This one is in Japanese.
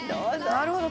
なるほど。